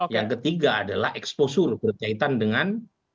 yang ketiga adalah exposur berkaitan dengan